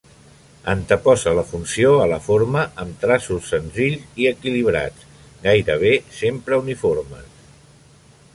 Anteposa la funció a la forma, amb traços senzills i equilibrats, gairebé sempre uniformes.